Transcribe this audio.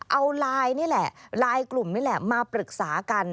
เอาไลน์กลุ่มมาปรึกษากัน